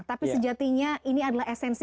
tapi sejatinya ini adalah esensi